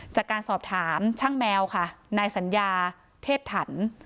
จากการสอบถามช่างแมวค่ะนายสัญญาเทศถัน